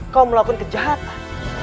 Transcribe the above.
kau melakukan kejahatan